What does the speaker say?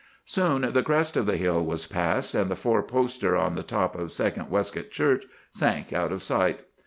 "Soon the crest of the hill was passed, and the four poster on the top of Second Westcock Church sank out of sight.